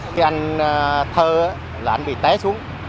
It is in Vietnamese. khi anh thơ là anh bị té xuống